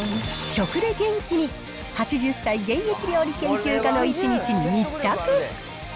食で元気に、８０歳現役料理研究家の一日に密着。